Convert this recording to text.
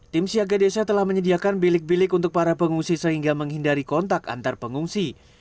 tim siaga desa telah menyediakan bilik bilik untuk para pengungsi sehingga menghindari kontak antar pengungsi